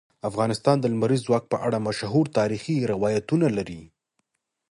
افغانستان د لمریز ځواک په اړه مشهور تاریخی روایتونه لري.